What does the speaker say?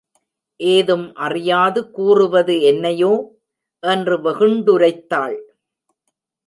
ஏதும் அறியாது கூறுவது என்னையோ? என்று வெகுண்டுரைத்தாள்.